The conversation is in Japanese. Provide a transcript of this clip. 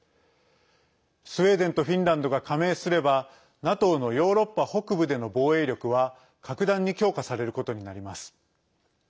スウェーデンとフィンランドが加盟すればＮＡＴＯのヨーロッパ北部での防衛力は格段に強化されることになります。